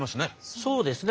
そうですね。